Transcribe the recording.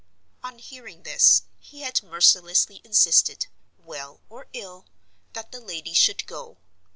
On hearing this, he had mercilessly insisted—well or ill—that the lady should go.